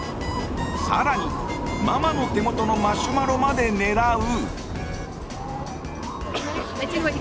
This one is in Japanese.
更に、ママの手元のマシュマロまで狙う！